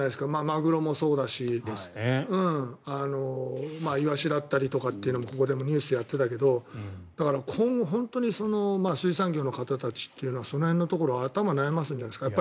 マグロもそうだしイワシだったりとかというのもニュースやってたけど今後、本当に水産業の方たちっていうのはその辺のところ頭を悩ますんじゃないですか。